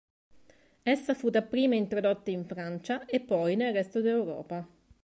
Essa fu dapprima introdotta in Francia e poi nel resto d'Europa.